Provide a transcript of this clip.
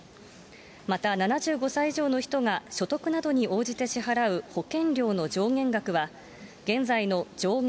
また、７５歳以上の人が所得などに応じて支払う保険料の上限額は、現在の上限